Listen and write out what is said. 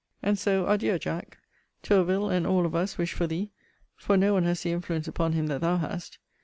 And so, adieu, Jack. Tourville, and all of us, wish for thee; for no one has the influence upon him that thou hast.